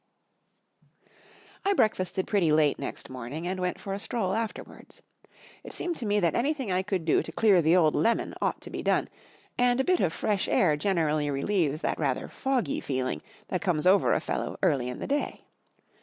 I BREAKFASTED pretty late next morning and w ent for a stroll afterwards. 11 seemed to me that anything I could do to clear the old lemon ought to be (lone, and a bit of fresh air generally relieves, that rather foggy feeling that comes over a fellow T early in the day.